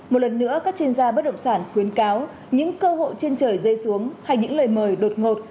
một lần nữa các chuyên gia bất động sản khuyến cáo những cơ hội trên trời rơi xuống hay những lời mời đột ngột